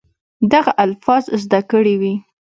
دغه الفاظ زده کړي وي